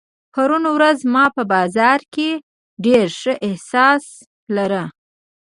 پرون ورځ ما په بازار کې ډېر ښه احساس لارۀ.